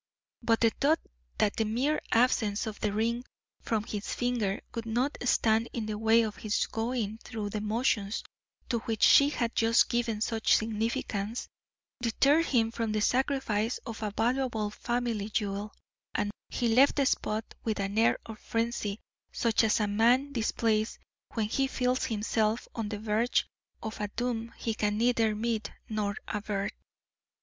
But the thought that the mere absence of the ring from his finger would not stand in the way of his going through the motions to which she had just given such significance, deterred him from the sacrifice of a valuable family jewel, and he left the spot with an air of frenzy such as a man displays when he feels himself on the verge of a doom he can neither meet nor avert.